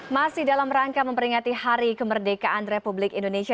masih dalam rangka memperingati hari kemerdekaan republik indonesia